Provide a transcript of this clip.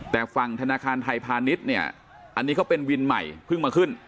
แต่ฝั่งธนาคารไทยพาณิชย์เนี่ยอันนี้เขาเป็นวินใหม่เพิ่งมาขึ้น